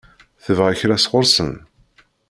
Tebɣa kra sɣur-sen?